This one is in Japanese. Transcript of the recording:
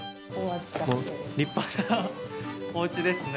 立派なお家ですね。